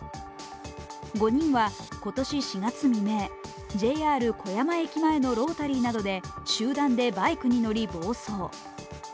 ５人は今年４月未明、ＪＲ小山駅前のロータリーなどで集団でバイクに乗り暴走。